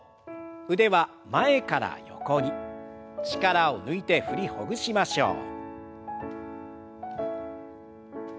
腕は前から横に力を抜いて振りほぐしましょう。